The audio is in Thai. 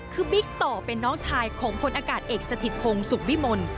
คือบิ๊กต่อเป็นน้องชายของพลอากาศเอกสถิตพงศ์สุขวิมล